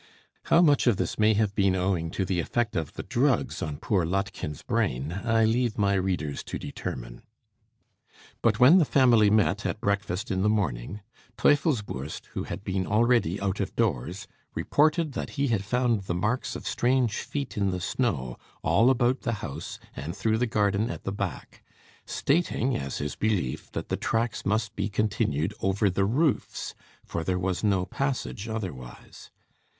How much of this may have been owing to the effect of the drugs on poor Lottchen's brain, I leave my readers to determine. But when the family met at breakfast in the morning, Teufelsbürst, who had been already out of doors, reported that he had found the marks of strange feet in the snow, all about the house and through the garden at the back; stating, as his belief, that the tracks must be continued over the roofs, for there was no passage otherwise.